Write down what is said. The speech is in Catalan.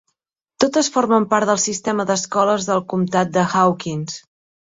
Totes formen part del sistema d'escoles del comtat de Hawkins.